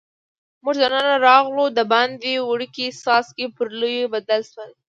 موږ دننه راغلو، دباندې وړوکي څاڅکي پر لویو بدل شول.